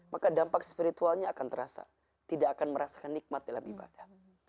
maka dampak spiritualnya akan terasa tidak akan merasakan nikmat dalam ibadah